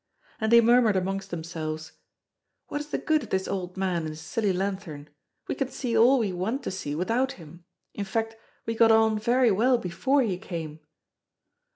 And they murmured amongst themselves: "What is the good of this old man and his silly lanthorn? We can see all we want to see without him; in fact, we got on very well before he came."